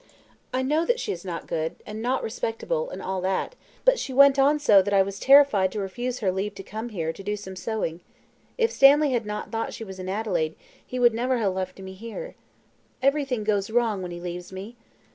"I know that she is not good, and not respectable, and all that; but she went on so that I was terrified to refuse her leave to come here to do some sewing. If Stanley had not thought she was in Adelaide, he would never have left me here. Everything goes wrong when he leaves me.